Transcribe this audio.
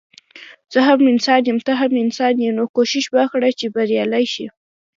زه هم انسان يم ته هم انسان يي نو کوښښ وکړه چي بريالی شي